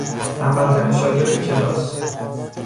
تنبلترین شاگرد کلاس